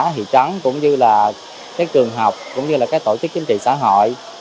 thị trấn cũng như là các trường học cũng như là các tổ chức chính trị xã hội